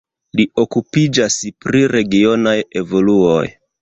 Li okupiĝas pri regionaj evoluoj.